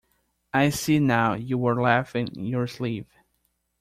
I see now you were laughing in your sleeve.